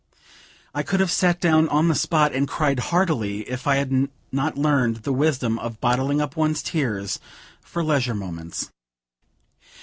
I could have sat down on the spot and cried heartily, if I had not learned the wisdom of bottling up one's tears for leisure moments.